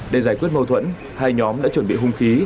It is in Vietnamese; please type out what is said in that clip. để giải quyết mâu thuẫn hai nhóm đã chuẩn bị hung khí